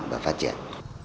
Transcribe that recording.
và phát triển